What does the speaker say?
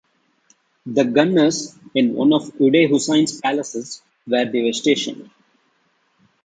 "The Gunners" in one of Uday Hussein's palaces where they were stationed.